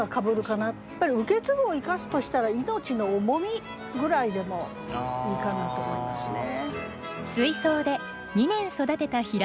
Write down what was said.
やっぱり「受け継ぐ」を生かすとしたら「命の重み」ぐらいでもいいかなと思いますね。